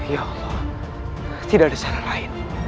ya allah tidak ada saran lain